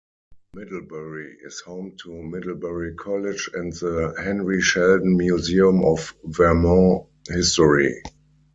Middlebury is home to Middlebury College and the Henry Sheldon Museum of Vermont History.